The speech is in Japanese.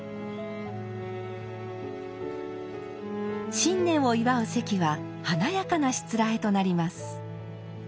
新年を祝う席は華やかなしつらえとなります。